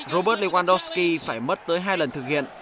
robert lewandowski phải mất tới hai lần thực hiện